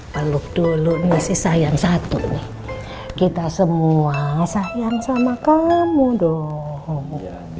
peluk dulu masih sayang satu kita semua sayang sama kamu dong